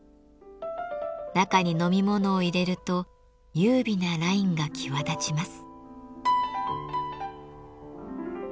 中に飲み物を入れると優美なラインが際立ちます。